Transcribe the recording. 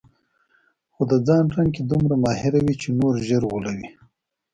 خو د ځان رنګ کې دومره ماهره وي چې نور ژر غولوي.